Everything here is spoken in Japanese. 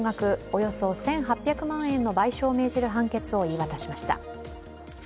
およそ１８００万円の賠償を命じる判決を言い渡しました。